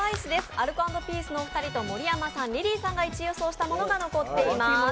アルコ＆ピースのお二人と盛山さん、リリーさんが１位予想したものが残っています。